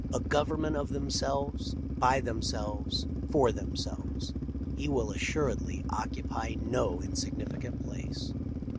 58 1 a government of themselves, by themselves, for themselves, he will assuredly occupy no insignificant place.